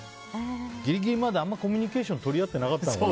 ギリギリまで、あまりコミュニケーション取り合ってなかったのかな。